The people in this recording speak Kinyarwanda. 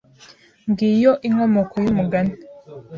Ngiyo inkomoko y'umugani